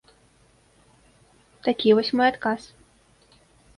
Такі вось мой адказ.